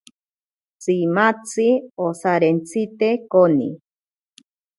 Tsimatzi osarentsite koni.